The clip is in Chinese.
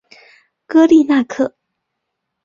戈利纳克。